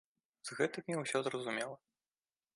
З гэтымі ўсё зразумела.